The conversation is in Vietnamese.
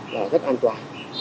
là rất an toàn